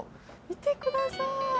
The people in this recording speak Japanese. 見てください！